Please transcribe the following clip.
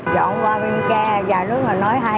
dọn qua bên kia nhà nước nói hay